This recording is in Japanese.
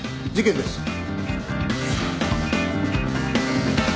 事件です。